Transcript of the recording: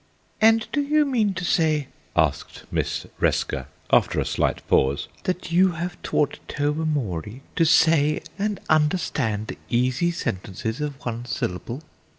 "And do you mean to say," asked Miss Resker, after a slight pause, "that you have taught Tobermory to say and understand easy sentences of one syllable?"